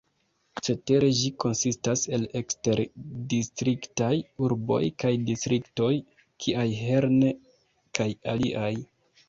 Cetere ĝi konsistas el eksterdistriktaj urboj kaj distriktoj, kiaj Herne kaj aliaj.